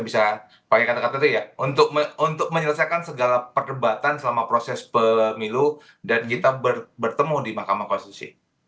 bisa pakai kata kata itu ya untuk menyelesaikan segala perdebatan selama proses pemilu dan kita bertemu di mahkamah konstitusi